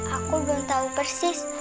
aku belum tahu persis